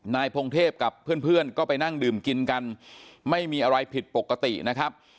พงเทพกับเพื่อนก็ไปนั่งดื่มกินกันไม่มีอะไรผิดปกตินะครับ